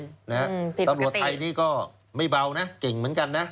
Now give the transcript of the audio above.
ผิดปกติตัมห์ไทยนี่ไม่เบาเก่งเหมือนกันนะ